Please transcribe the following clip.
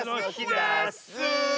ダス！